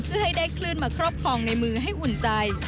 เพื่อให้ได้คลื่นมาครอบครองในมือให้อุ่นใจ